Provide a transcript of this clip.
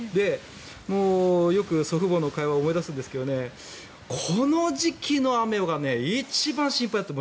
もうよく祖父母の会話を思い出すんですがこの時期の雨は一番心配だと。